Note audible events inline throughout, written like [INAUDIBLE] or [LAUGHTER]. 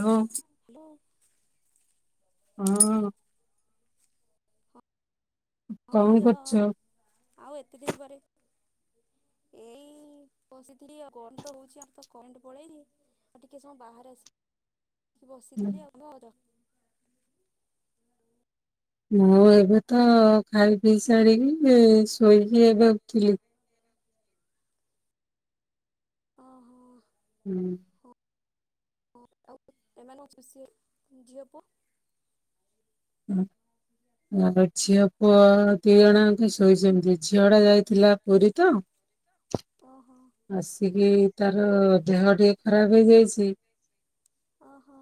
ଇଓଁ। Hello. ହଁ। ହଁ କଣ ଭାଉଜ କରୁଛ? ଆଉ ଏତେ ଦିନ ପରେ ଏଇ ବସିଥିଲି ଆଉ କଣ ତ ହୋଉଚି ଆମ ତ କରେଣ୍ଟେ ପଳେଇଲି। ଆଉ ଟିକିଏ ସମୟ ବାହାରେ ଆସି ବସିଥିଲି ଆଉ ଭାଉଜ। ମୁଁ ଏବେ ତ ଖାଇପିଇ ସାରିକି ଶୋଇକି ଏବେ ଉଠିଲି। ଓହୋ। ହୁଁ। ଓଆଉ ଏମାନେ ଅଫିସ୍ ଯିବେ ଝିଅ ପୁଅ? ଆଉ ଝିଅ ପୁଅ ଦି ଜଣ ଯାକ ଶୋଇଚନ୍ତି। ଝିଅ ଟା ଯାଇ ଥିଲା ପୁରୀ ତ ଓହୋ ଆସିକି ତାର ଦେହ ଟିକେ ଖରାପ୍ ହେଇଯାଇଚି। ଅହ।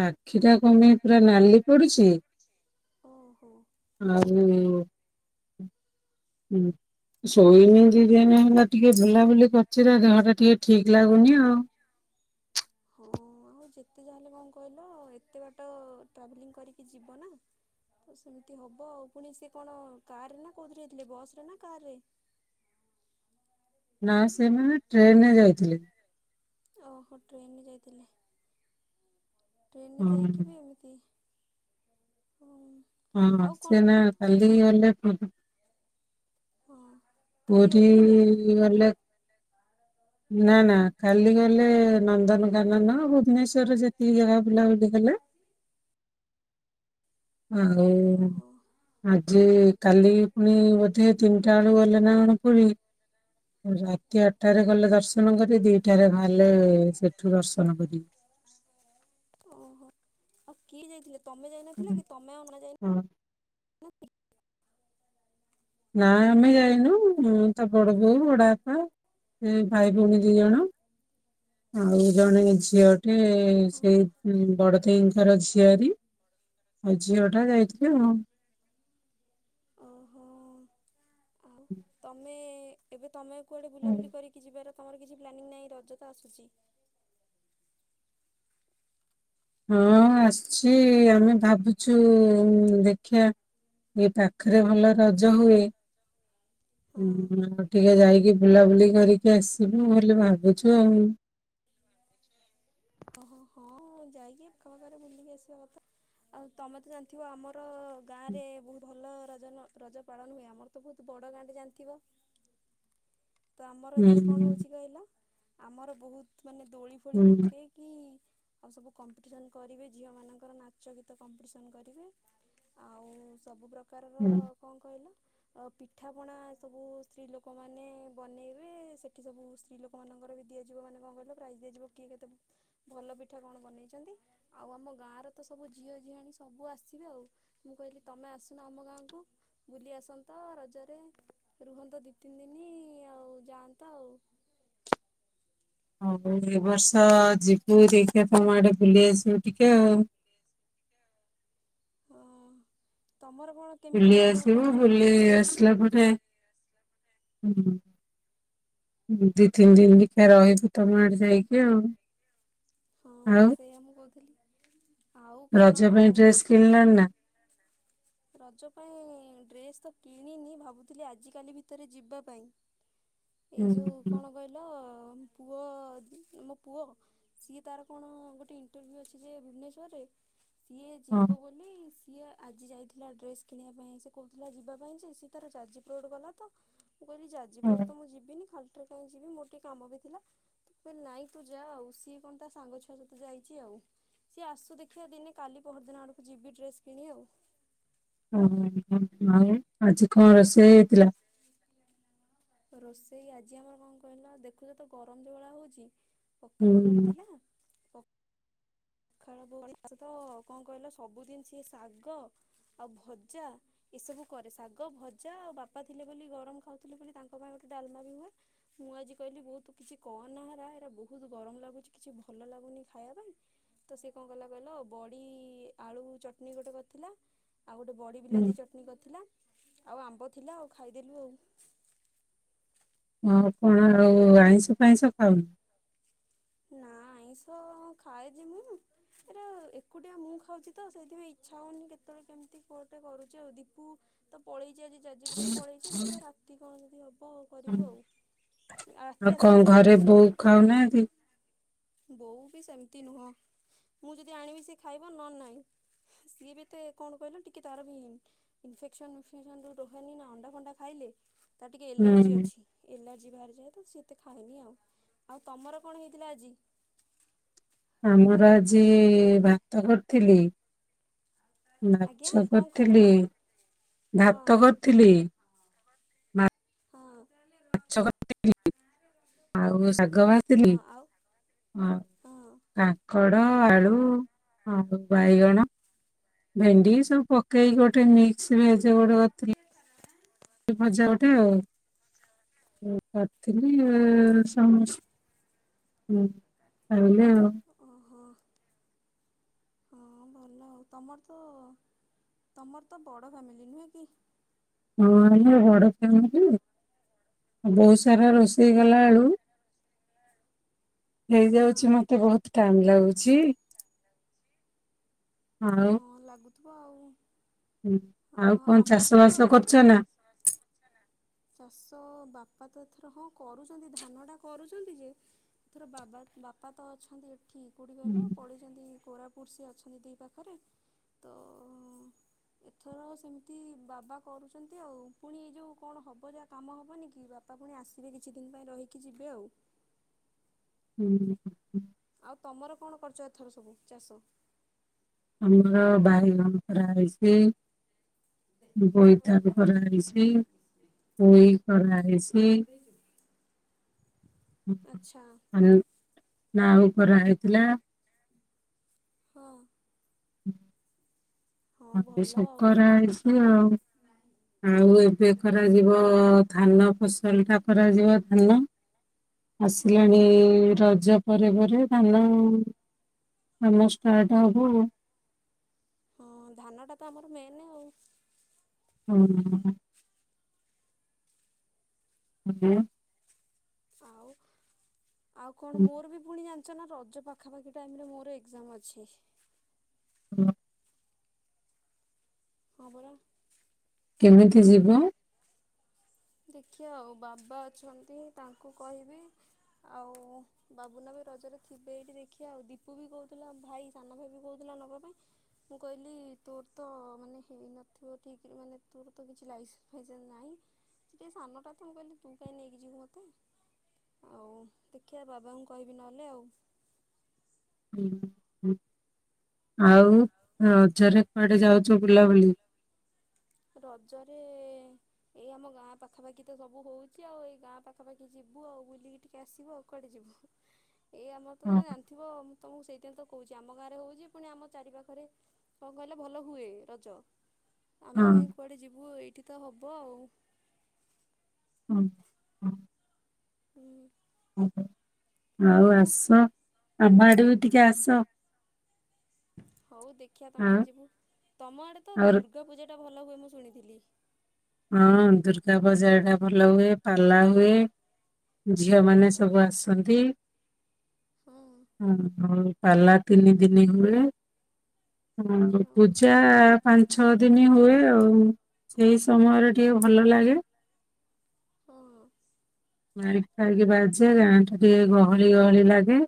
ଆଖି ଟା କଣପାଇଁ ପୁରା ନାଲି ପଡିଚି। ଓହୋ ଆଉ ସୋଇନି ଦି ଦିନି ହେଲା ଟିକିଏ ବୁଲାବୁଲି କରିଚି ନା ଦେହ ଟା ଟିକିଏ ଠିକ୍ ଲାଗୁନି ଆଉ। ହୋଉ। ଆଉ ଯେତେ ଯାହା ହେେଲେ କଣ କହିଲ ଏତେ ବାଟ ଟ୍ରାଭେଲିଂ କରିକି ଯିବ ନା। ତ ସେମିତି ହେବ ଆଉ ପୁଣି ସେ କଣ କାରେ ନା କେଉଁଥିରେଯାଇଥିଲେ ବସରେ ନା କାରରେ? ନା ସେମାନେ ଟ୍ରେନ ରେ ଯାଇଥିଲେ। ଓହୋ ଟ୍ରେନରେ ଯାଇଥିଲେ। ଟ୍ରେନରେ ହଁ। ଯାଇକି ବି ଏମିତି। ହୁଁ। ହଁ ସିଏନା କାଲିଗଲେପରା। ଓହୋ। ପୁରୀ ଗଲେ ନା ନା କାଲି ଗଲେ ନନ୍ଦନକାନନ ଭୁବନେଶ୍ଵରରେ ଯେତିକି ଜାଗାବୁଲା ବୁଲି କଲେ। ଆଉ ଓହୋ ଆଜି କାଲି ପୁଣି ବୋଧେ ତିନିଟା ବେଳୁ ଗଲେ। ନା କଣପୁରୀ ରାତି ଆଠଟାରେ ଗଲେ ଦର୍ଶନ କରିକି। ଟାରେ ବାହାରିଲେ ସେଠୁ ଦର୍ଶନ କରିକି। ଓହୋ ଆଉ କିଏ ଯାଇଥିଲେ? ତମେ ଯାଇନଥିଲ କି ତମେ ଆଉ ନ ଯାଇ ହଁ ନା ଆମେ ଯାଇନୁ ତା ବଡ ବୋଉ ବଡବାପା ଏଭାଇ ଭଉଣୀ ଦି ଜଣ ଆଉ ଜଣେ ଝିଅ ଟେ ଓହୋ ସେଇ ବଡଦେଇ ତାର ଝିଆରୀ ଆଉ ଝିଅ ଟା ଯାଇଥିଲେ ଆଉ। ଓହୋ। ଆଉ [INAUDIBLE] ତମେ ଏବେ ତମେ କୁଆଡେ ବୁଲାବୁଲି କରିକି ଯିବାର ତମର କିଛି ପ୍ଲାନିଂ ନାହିଁ? ରଜ ତ ଆସୁଚି। ହଁ ଆସୁଛି ଆମେ ଭାବୁଛୁ ଦେଖିଆ ଏଇପାଖରେ ଭଲ ରଜ ହୁଏ। ହଁ ହୁଁ ଆଉ ଟିକିଏ ଯାଇକି ବୁଲାବୁଲି କରିକି ଆସିବୁ ବୋଲି ଭାବୁଛୁ ଆଉ। ଓହ ହୋ ହଁ ଯାଇକି ଏକା ଥରେ ବୁଲିକି ଆସିବା କଥା। ଆଉ ତମେ ତ ଜାଣିଥିବ ଆମର ଗାଁରେ ବହୁତ୍ ଭଲ ରଜନ ରଜ ପାଳନ ହୁଏ ଆମର। ତ ବହୁତ୍ ବଡ଼ ଗାଁ ଟେ ଜାଣିଥିବ? [INAUDIBLE] ତ ଆମର ହୁଁ ଏଥର କଣ ହଉଚି କହିଲ ଆମର ବହୁତ ମାନେ ଦୋଳି ଫୋଳି ହୁଁ ପକେଇକି ଆଉ ସବୁ କମ୍ପିଟିସନ କରିବେ ଝିଅ ମାନଙ୍କର ନାଚ ଗୀତ କମ୍ପିଟିସନ କରିବେ। ଆଉ ସବୁ ପ୍ରକାରର ହୁଁ। କଂ କହିଲ? ଆଉ ପିଠାପଣା ସବୁ ସ୍ତ୍ରୀ ଲୋକମାନେ ବନେଇବେ ସେଠି ସବୁ ସ୍ତ୍ରୀ ଲୋକ ଲୋକମାନଙ୍କର ବି ଦିଆଯିବ ମାନ କଣ କହିଲ ପ୍ରିଇଜ ଦିଆଯିବ କିଏ କେତ ଭଲ ପଠା କଣ ବନେଇ ଚନ୍ତି ଆଉ ଆମ ଗାଁର ତ ସବୁ ଝିଅଝିହାଣୀ ସବୁ ଆସିବେ ଆଉ। ମୁଁ କହିଲି ତମେ ଆସୁନ ଆମ ଗାଁକୁ? ବୁଲି ଆସନ୍ତ ରଜରେ ରୁହନ୍ତ ଦୁଇ ତିନି ଦିନ ଆଉ ଯାଆନ୍ତ ଆଉ। ହଉ ଏ ବର୍ଷ ଯିବୁ ଦେଖିବା ତମ ଆଡେ ବୁଲି ଆସିବ ଟିକେ ଆଉ। ହଁ ତମର କଣ କେମିତି ବୁଲି ରଜ ଆସିବୁ କରୁଛନ୍ତି? ବୁଲି ଆସିଲା ପରେ ଦି ତିନି ଦିନ ଦେଖିବା ରହିବୁ ତମ ଆଡେ ଯାଇକି ଆଉ। ହଁ ଆଉ ସେଇୟା ମୁଁ କହୁଥିଲି। ଆଉ କଣ ରଜ ପାଇଁ ଆଉ ଡ୍ରେସ୍ କିଣିଲଣି ନା? ରଜ ପାଇଁ ଡ୍ରେସ୍ ତ କିଣିନି ଭାବୁଥିଲି ଆଜିକାଲି ଭିତରେ ଯିବା ପାଇଁ। [UNINTELLIGIBLE] ଏଇ ଯେଉଁ ହୁଁ, କଣ କହିଲ ପୁଅ ମୋ ପୁଅ ସିଏ ତାର କଣ ଗୋଟେ ଇଣ୍ଟରଭ୍ୟୁ ଅଛି ଯେ ଭୁବନେଶ୍ୱରରେ ସିଏ ହଁ ଯିବ ବୋ ଲି ସିଏ ଆଜି ଯାଇଥିଲା ଡ୍ରେସ କିଣିବା ପାଇଁ ସେ କହୁଥିଲା ଯିବା ପାଇଁ ଯେ ସିଏ ତାର ଯାଜପୁର ଆଡେ ଗଲା ତ ମୁଁ କହିଲି ଯା ହଁ। ଯପୁର ଯିବିନି ଫଲତୁ କାଇଁ ଯିବି। ଯିବିନି ଖାଲି ରେ କାହିଁ ଯିବି ମୋର ଟିକେ କାମ ବି ଥିଲା କହିଲି ନାଇଁ ତୁ ଯା ଆଉ ସିଏ କଣ ତା ସାଙ୍ଗ ଛୁଆ ସହିତ ଯାଇ ଚି ଆଉ। ସିଏ ଆସୁ ଦେଖିଆ ଦିନେ କାଲି ପହରଦିନ ଆଡକୁ ଯିବି ଡ୍ରେସ୍ କିଣି ଆଉ। ଓ ଆଉ ଆଜି କଂ ରୋଷେଇ ହେଇଥିଲା? ରୋଷେଇ ଆଜି ଆମର କଣ କହିଲ ଦେଖୁଚ ତ ଗରମ ଯୋଉ ଭଳିଆ ହେଉଚି ପଖାଳ ଘରେ ହୁଁ, ଥିଲା। - - ଖରା [UNINTELLIGIBLE] କଣ କହିଲ ସବୁଦିନ ସିଏ ଶାଗ ଆଉ ଭଜା ଏସବୁ କରେ ଶାଗ ଭଜା ଆଉ ବାପା ଥିଲେ ବୋଲି ଗରମ ଖାଉଥିଲେ ବୋଲି ତାଙ୍କ ପାଇଁ ଗୋଟେ ଡାଲମା ବି ହୁଏ। ମୁଁ ଆଜି କହିଲି ବୋଉ କିଛି କରନା ଏରା ବହୁତ ଗରମ ଲାଗୁଛି କିଛି ଭଲ ଲାଗୁନି ଖାଇବା ପାଇଁ। ତ ସିଏ କଣ କଲା କହିଲ ବଡି ଆଳୁ ଚଟଣି ଗୋଟେ କରିଥିଲା। ଆଉ ଗୋଟେ ବଡ଼ି ହୁଁ, ବିଲାତି ଚ ଟନି କରିଥିଲା। ଆଉ ଆମ୍ବ ଥିଲା ଆଉ ଖାଇଦେଲୁ ଆଉ। ହଁ କଣ ଆଉ ଆଇଁଷ ଫାଇଁଷ ଖାଉନୁ? ନା ଆଇଁଷ ଖାଏ ଯେ ମୁୁ ଏରା ଏକୁଟିଆ ମୁଁ ଖାଉଚି ତ ସେଇଥିପାଇଁ ଇଚ୍ଛା ହଉନି କେତେବେଳେ କେମିତି ଗୋଟେ କରୁଚି। ଆଉ ଦୀପୁ ତ ପଳେଇଚି ଆଜି ଯାଜିପୁର ପଳେଇଚି ଦେଖିଆ ରାତି କଣ ଯଦି ହବ ଆଉ। ହୁଁ, କରିବୁ ଆଉ। ରାତିରେ ଆସିଲେ ସେ କରିବ ଆଉ। ଖାଉନାହାନ୍ତିି? ବୋଉର ବି ସେମତି ନୁହଁ। ମୁଁ ଯଦି ଆଣିବି ସେ ଖାଇବ ନହେଲେ ନାଇଁ। ସିଏ ବି ଏତେ କଣ କହିଲ ଟିକେ ତାର ବି ଇନଫେକ୍ସନ ବିଫେକ୍ସନ ରହେନି ନା ଅଣ୍ଡା ଫଣ୍ଡା ଖାଇଲେ ତା ଟିକେ ଏଲାର୍ଜି ହୁଁ ଅଛି। ଏଲର୍ଜି ବାହାରିଯାଏ ତ ସିତେ ଖାଏନି ଆଉ ଆଉ। ତମର କଣ ହେଇଥିଲା ଆଜି? ଆମର ଆଜି ଭା ତ କରିଥିଲି - - ଆଜ୍ଞା ମାଛ କଣ କରିଥିଲି, କରିଥିଲ? ହଁ ଭାତ କରିଥିଲି। ମାଛ ହଁ, କରି- ହଁ ଆଉ ହଁ, କାଙ୍କଡ଼, ଆଳୁ ଆଉ ବାଇଗଣ। ଭେଣ୍ଡି ସବୁ ପକେଇକି ଗୋଟେ ମିକ୍ସଭେଜ ଗୋଟେ କରିଥିଲି। ଭଜା ଗୋଟେ ଆଉ। ହ ଓହୋ କରିଥିଲି ସମସ୍ତେ ହୁଁ ଖାଇିଲେ ଆଉ। ଓ ହୋ ହଁ ଭଲ ତମର ତ ତମର ତ ବଡ଼ ଫ୍ୟାମିଲି ନୁହେଁ କି? ହଁ ହେଲା ବଡ଼ ଫ୍ୟାମିଲି ଯେ। ବହୁତ ସାରା ରୋଷେଇ କଲାବେଳୁ ହଁ ହେଇଯାଉଛି ମତେ ବହୁତ ଟାଇମ୍ ଲାଗୁଛି। ହଁ ଲାଗୁଥିବ ଆଉ। ହୁଁ ଆଉ କଣ ଆମର ଚାଷବାସ ତ କରୁଛ ନା। ଚାଷ ବାପା ତ ଏଥର ହଁ କରୁଛନ୍ତି ଧାନଟା କରୁଛନ୍ତି ଯେ ଏଥର ବାବା ବାପା ତ ଅଛନ୍ତି କିଏ କୋଉଠି କହିଲ ପଳେଇଛନ୍ତି କୋରାପୁଟ ସେ ଅଛନ୍ତି ଦେଇ ପାଖରେ ତ ଏଥର ସେମିତି ବାବା କରୁଛନ୍ତି ଆଉ ପୁଣି ଏ ଯେଉଁ କଣ ହବ ଯାହା କାମ ହବନି କି ବାପା ବାପା ପୁଣି ଆସିବେ କିଛି ଦିନ ପାଇଁ ରହିକି ଯିବେ ଆଉ। ହୁଁଁ ହୁଁ। ଆଉ ତମର କଣ କରିଛ ଏଥର ସବୁ ଚାଷ। ଆମର ବାଇଗଣ ପରା ହେଇଛି। ବୋଇତାଳୁ କରାହେଇଛି ପୋଇ କରାହେଇଛି। ଆଚ୍ଛା [UNINTELLIGIBLE] ନାଉ କରାହେଇଥିଲା। [UNINTELLIGIBLE] ହଁ। [INAUDIBLE] ହଁ ମୋତେ ଭଲ ଆଉ ତ ଶଙ୍କରା ଆଇଛି ଆଉ। ଆଉ ଏବେ କରାଯିବ ଧାନ ଫସଲ ଟା। କରାଯିବ ଧାନ ଆସିଲାଣି ହଁ ରଜ ପରେ ପରେ ଧାନ କାମ ଷ୍ଟାର୍ଟ ହବ ଆଉ। ହଁ ଧାନଟା ତ ଆମର ମେନ୍ ଆଉ। ହୁଁ। [INAUDIBLE] [UNINTELLIGIBLE] ଆଉ ଆଉ କଣ ମୋର ବି ପୁଣି [UNINTELLIGIBLE] ଚ ନା ରଜ ପାଖାପାଖି ଟାଇମରେ ମୋର ଏକ୍ଜାମ ଅଛି। ହୁଁ। ହଁ ପରା। କେମିତି ଯିବ? ଦେଖିବା ଆଉ ବାବା ଅଛନ୍ତି ତାଙ୍କୁ କହିବି ଆଉ। ବାବୁନା ବି ରଜରେ ଥିବେ ଏଇଠି ଦେଖିଆ ଆଉ ଦୀପୁ ବି କହୁଥିଲା ଭାଇ ସାନ ଭାଇ ବି କହୁଥିଲା ନବାପାଇଁ। ମୁଁ କହିଲି ତୋର ତ ମାନେ ହେଇନଥିବ ଠିକ୍ ରେ ମାନେ ତୋର ତ କିଛି ଲାଇ [UNINTELLIGIBLE] ଫେଜାର ନାହିଁ। ସେ ସାନଟା ତ ମୁଁ କହିଲି ତୁ କାଇଁ ନେଇକି ଯିବୁ ମୋତେ। ଆଉ ଟିକେ ବାବାଙ୍କୁ କହିବି ନହେଲେ ଆଉ। [UNINTELLIGIBLE] ଆଉ ରଜରେ କୁଆଡେ ଯାଉଛ ବୁଲାବୁଲି। ରଜରେ ଏଇ ଆମଗାଁ ପାଖାପାଖି ତ ସବୁ ହଉଛି ଆଉ ଏଇଗାଁ ପାଖାପାଖି ଯିବୁ ଆଉ ବୁଲିକି ଟିକେ ଆସିବୁ ଆଉ। କୁଆଡେ ଯିବୁ ଏଇ ଆମର ହଁ। ତମେ ଜାଣି ଥିବ ତମକୁ ସେଇଟା ତ କହୁଛି ଆମ ଗାଁରେ ହଉଛି ପୁଣି ଆମ ଚାରିପାଖରେ କଣ କହିଲେ ଭଲ ହୁଏ ରଜ ଆମେ ହଁ କାହିଁ କୁଆଡେ ଯିବୁ ଏଇଠି ତ ହବ ଆଉ। [INAUDIBLE] ହୁଁ [INAUDIBLE] [UNINTELLIGIBLE] ଆଉ ଆସ, ଆମ ଆଡେ ବି ଟିକେ ଆସ ହଉ ଦେଖିବା ତମ ଆଉ ଆଡେ ଯିବୁ ତମ ଆଡେ ତ ଆଉ ର- ଦୁର୍ଗାପୂଜାଟା ଭଲ ହୁଏ ମୁଁ ଶୁଣିଥିଲି ହଁ ଦୁର୍ଗାପୂଜାଟା ଭଲ ହୁଏ ପାଲା ହୁଏ। ଝିଅମାନେ ହଁ ସବୁ ଆସନ୍ତି। ହଁ ଓହୋ ପାଲା ତିନି ଦିନି ହୁଏ। ହଁ ଆଉ ପୂଜା ଆଁ ପାଞ୍ଚ ଛଅ ଦିନ ହୁଏ ଆଉ ସେଇ ସମୟରେ ଟିକେ ଭଲ ଲାଗେ। ହଁ-ଅ ମାଇକ ଫାଇକ ବାଜେ ଗାଁ ଟା ଟିକେ ଗହଳି ଗହଳି ଲାଗେ।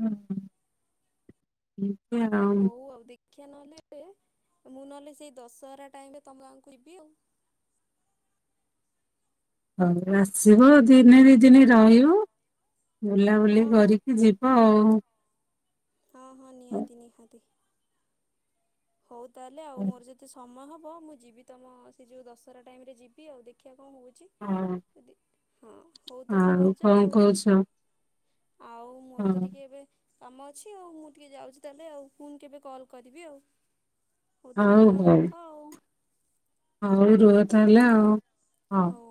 ହୁଁ ହୁଁ ହୁଁ ହଉ ଆଉ ଦେଖିିବା ନହେଲେ ଏ ମୁଁ ନହେଲେ ସେଇ ଦଶହରା ଟାଇମ ରେ ତମ ଗାଁକୁ ଯିବି ଆଉ ହଉ ଆସିବ ଦିନେ ଦି ଦିନ ରହିବ ବୁଲାବୁଲି ହଁ ହଁ କରିକି ଯିବ ହଉ ହଁ ହଁ ନିଆତି ନିହାତି। ହଉ ତାହେଲେ ଆଉ ହଁ ମୋର ଯଦି ମତେ ସମୟ ହବ ମୁଁ ଯିବି ତମ ସେ ଯୋଉ ଦଶହରା ଟାଇମ୍ ରେ ଯିବି ଆଉ ଦେଖିବା କଣ ହଉଚି। ଯଦି ହଁ ହଉ ତାହେଲେ ଭାଉଜ କଣ ଆଉ କହୁଛ? ଆଉ ମୋର ତ ହଁ ଟିକେ ଏବେ କାମ ଅଛି ଆଉ ମୁଁ ଟିକେ ଯାଉଚି ତାହେଲେ ଆଉ ପୁଣି କେବେ କଲ୍ କରିବି ଆଉ ହଉ ତାହେଲେ ତମେ ରଖ ଆଉ ହଉ ରୁହ ତାହେଲା ଆଉ ହଉ